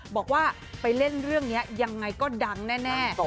บอกว่าไปเล่นเรื่องนี้ยังไงก็ดังแน่